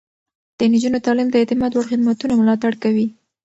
د نجونو تعليم د اعتماد وړ خدمتونه ملاتړ کوي.